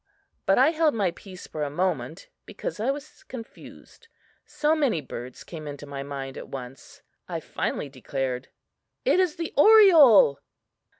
but I held my peace for a moment, because I was confused so many birds came into my mind at once. I finally declared: "It is the oriole!"